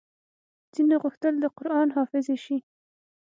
ځينو غوښتل د قران حافظې شي